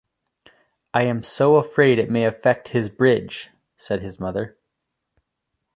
"I am so afraid it may affect his bridge," said his mother.